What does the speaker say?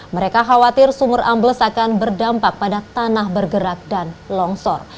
mereka khawatir sumur ambles akan berdampak pada tanah bergerak dan longsor